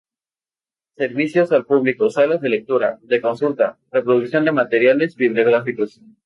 Servicios al público: Salas de lectura, de consulta, reproducción de materiales bibliográficos.